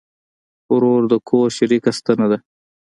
ورور د کور شریکه ستنه ده.